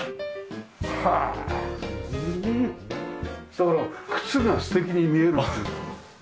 だから靴が素敵に見えるっていう。